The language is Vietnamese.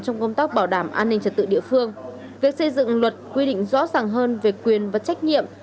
trong công tác bảo đảm an ninh trật tự địa phương việc xây dựng luật quy định rõ ràng hơn về quyền và trách nhiệm